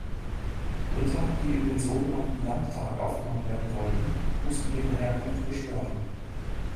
Ritter, die in den so genannten Landtag aufgenommen werden wollten, mussten ihre Herkunft beschwören.